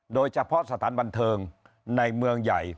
โดยเฉพาะสถานบันเทิงในเมืองใหญ่